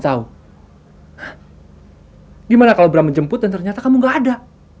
bagaimana kalau bra menjemput dan ternyata kamu gak ada